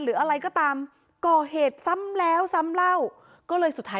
หรืออะไรก็ตามก่อเหตุซ้ำแล้วซ้ำเล่าก็เลยสุดท้าย